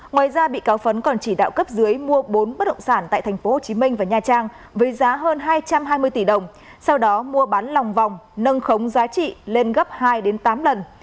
ngoài ra bị cáo phấn còn chỉ đạo cấp dưới mua bốn bất động sản tại tp hcm và nha trang với giá hơn hai trăm hai mươi tỷ đồng sau đó mua bán lòng vòng nâng khống giá trị lên gấp hai tám lần